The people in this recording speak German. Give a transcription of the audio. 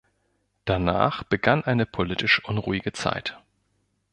Danach begann eine politisch unruhige Zeit.